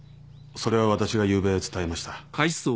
それは私がゆうべ伝えました。